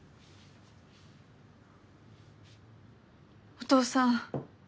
お父さん。